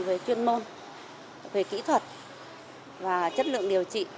về chuyên môn về kỹ thuật và chất lượng điều trị